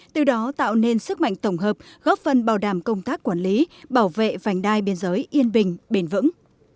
từ đó tạo nên sức mạnh tổng hợp góp phần bảo đảm công tác quản lý bảo vệ vành đai biên giới yên bình bền vững